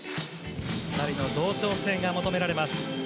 ２人の同調性が求められます。